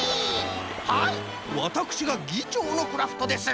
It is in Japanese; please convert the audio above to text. はいわたくしがぎちょうのクラフトです。